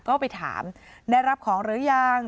ก็ไปถามได้รับของหรือยัง